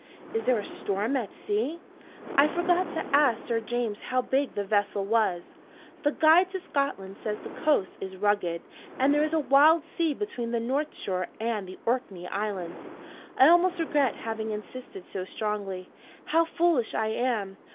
Is there a storm at sea? I forgot to ask Sir James how big the vessel was. The 'Guide to Scotland' says the coast is rugged; and there is a wild sea between the north shore and the Orkney Islands. I almost regret having insisted so strongly how foolish I am!